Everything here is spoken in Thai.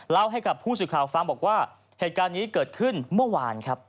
ให้กับผู้สื่อข่าวฟังบอกว่าเหตุการณ์นี้เกิดขึ้นเมื่อวานครับ